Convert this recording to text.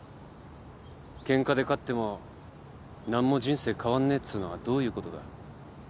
ケンカで勝っても何も人生変わんねえっつうのはどういうことだ？